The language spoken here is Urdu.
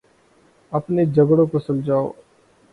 اپنے جھگڑوں کو سلجھاؤ۔